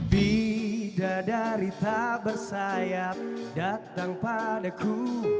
bidadari tak bersayap datang padaku